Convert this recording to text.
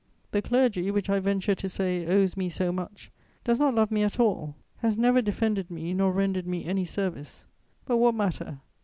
The clergy, which, I venture to say, owes me so much, does not love me at all, has never defended me nor rendered me any service. But what matter?